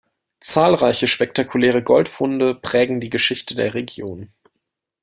Zahlreiche spektakuläre Goldfunde prägen die Geschichte der Region.